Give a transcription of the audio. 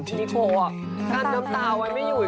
พี่พี่โฟน่ะกลั้นน้ำตาวไว้ไม่อยู่อีกแล้ว